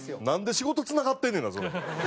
なんで仕事繋がってんねんな？